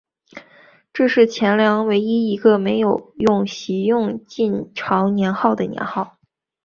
这是前凉唯一一个没有袭用晋朝年号的年号。